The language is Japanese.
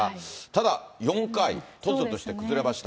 ただ４回、突如として崩れました。